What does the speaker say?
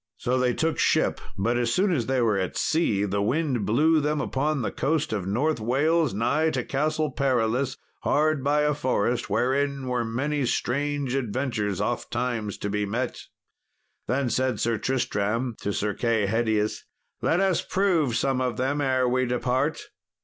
So they took ship; but as soon as they were at sea the wind blew them upon the coast of North Wales, nigh to Castle Perilous, hard by a forest wherein were many strange adventures ofttimes to be met. Then said Sir Tristram to Sir Kay Hedius, "Let us prove some of them ere we depart."